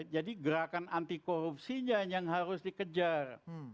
jadi gerakan anti korupsinya yang harus dikejar